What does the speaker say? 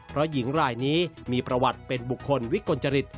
เพราะหญิงรายนี้มีประวัติเป็นบุคคลวิกลจริต